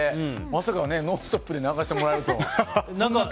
まさか「ノンストップ！」で流してもらえるとは。